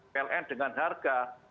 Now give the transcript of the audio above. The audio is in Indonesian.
pln dengan harga